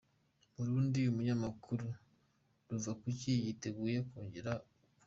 Burundi Umunyamakuru Ruvakuki yiteguye kongera kuburana